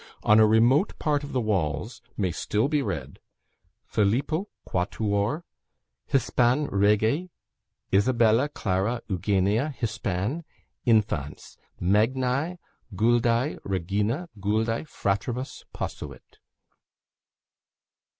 On a remote part of the walls, may still be read PHILLIPPO IIII. HISPAN. REGE. ISABELLA CLARA EUGENIA HISPAN. INFANS. MAGNAE GULDAE REGINA GULDAE FRATRIBUS POSUIT.